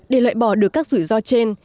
để loại bỏ được các rủi ro trên